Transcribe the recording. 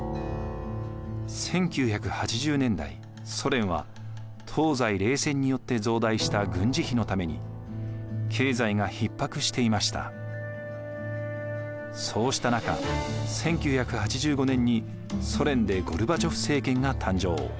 １９８０年代ソ連は東西冷戦によって増大した軍事費のためにそうした中１９８５年にソ連でゴルバチョフ政権が誕生。